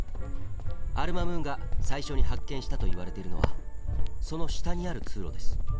アル・マムーンが最初に発見したといわれているのはその下にある通路です。